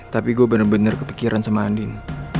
tapi saya benar benar kepikiran sama andin